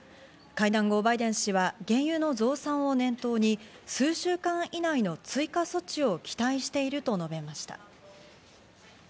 会談後、バイデン氏は原油の増産を念頭に数週間以内の追加措置を期待していると述べました。